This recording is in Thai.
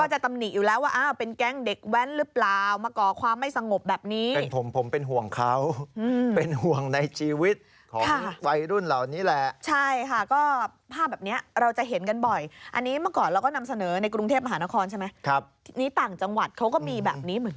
จังหวัดเขาก็มีแบบนี้เหมือนกันนะค่ะ